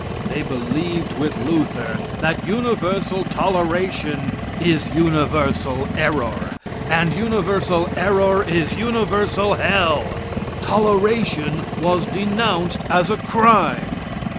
They believed with Luther that universal toleration is universal error, and universal error is universal hell. Toleration was denounced as a crime.